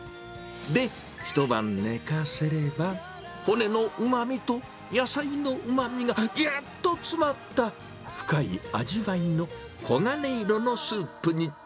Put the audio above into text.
で、一晩寝かせれば、骨のうまみと野菜のうまみがぎゅっと詰まった深い味わいの黄金色のスープに。